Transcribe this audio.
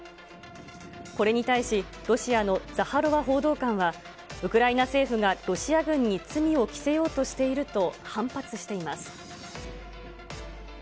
これに対しロシアのザハロワ報道官は、ウクライナ政府がロシア軍に罪を着せようとしていると反発しています。